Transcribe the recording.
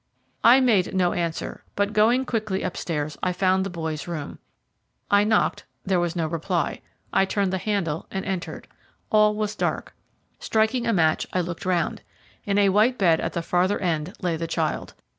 I made no answer, but going quickly upstairs, I found the boy's room. I knocked; there was no reply, I turned the handle and entered. All was dark. Striking a match I looked round. In a white bed at the farther end lay the child.